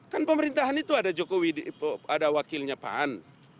kan pemerintahan itu ada jokowi ada wakilnya pan